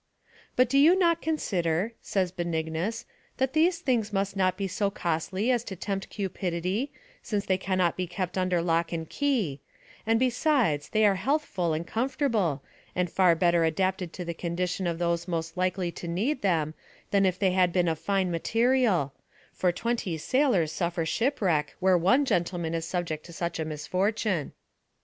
" But you do not consider," says Benignus, " that these things must not be so costly as to tempt cupidity, since they cannot be kept under lock and Key, — and besides, they are healthful and comfortable, and far belter adapted to the condition of those most likely tc need them, than if they had been of fine material ; foi twenty sailors suffer shipwreck, where one gentleman is suoject to such a misfortune."